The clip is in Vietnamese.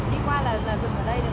chỉ qua là dừng ở đây